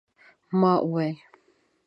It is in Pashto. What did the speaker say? ما ویل